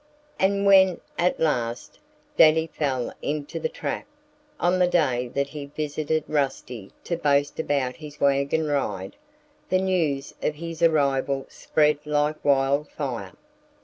And when, at last, Daddy fell into the trap, on the day that he visited Rusty to boast about his wagon ride, the news of his arrival spread like wildfire.